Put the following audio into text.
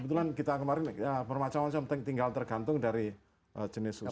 kebetulan kita kemarin ya bermacam macam tinggal tergantung dari jenis usahanya ya